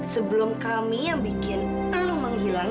sebelum kami yang bikin lalu menghilang